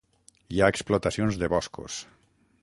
Hi ha explotacions de boscos.